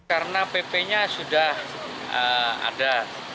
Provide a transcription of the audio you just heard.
karena pp nya sudah ada